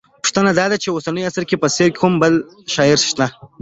پوښتنه دا ده چې په اوسني عصر کې په څېر کوم بل شاعر شته